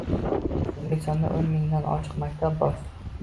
O‘zbekistonda o‘n mingdan oshiq maktab bor